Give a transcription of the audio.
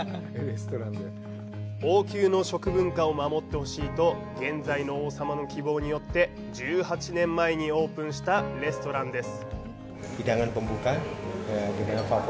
王宮の食文化を守ってほしいと現在の王様の希望によって１８年前にオープンしたレストランです。